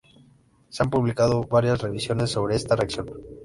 Se han publicado varias revisiones sobre esta reacción.